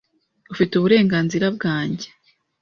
Ufite uburenganzira bwanjye .